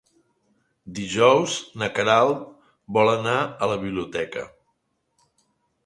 Dijous na Queralt vol anar a la biblioteca.